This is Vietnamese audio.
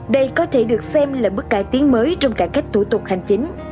đây có thể được xem là bước cải tiến mới trong cải cách thủ tục hành chính